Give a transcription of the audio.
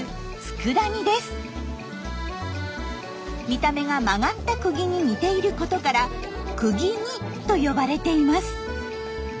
見た目が曲がった「くぎ」に似ていることから「くぎ煮」と呼ばれています。